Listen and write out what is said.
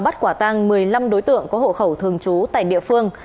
bắt quả tang một mươi năm đối tượng có hộ khẩu thường trú tại địa phương